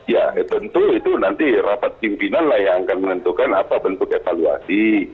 ya tentu itu nanti rapat pimpinan lah yang akan menentukan apa bentuk evaluasi